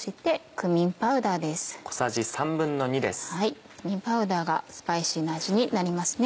クミンパウダーがスパイシーな味になります。